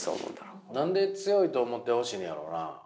何で強いと思ってほしいんやろうな？